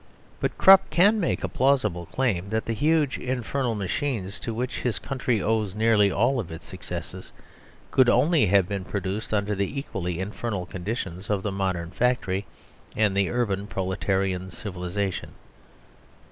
But Krupp can make a plausible claim that the huge infernal machines to which his country owes nearly all of its successes could only have been produced under the equally infernal conditions of the modern factory and the urban and proletarian civilisation.